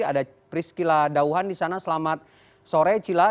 ada priscila dauhan di sana selamat sore cila